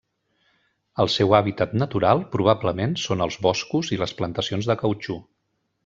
El seu hàbitat natural probablement són els boscos i les plantacions de cautxú.